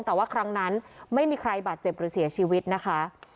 แต่ว่าครั้งนั้นไม่มีใครบาดเจ็บหรือเสียชีวิตนะคะ